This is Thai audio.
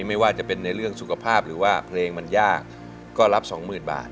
ไม่ว่าจะเป็นในเรื่องสุขภาพหรือว่าเพลงมันยากก็รับสองหมื่นบาท